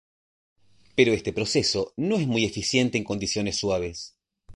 Pero este proceso no es muy eficiente en condiciones suaves.